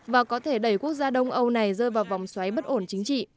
và có thể đẩy quốc gia đông âu này rơi vào vòng xoáy bất ổn chính trị